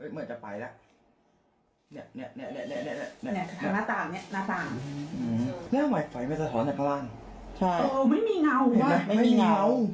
เห็นอะไรบ้างมีอะไรอยู่ข้างบนโหยทั้งนั้นแหละ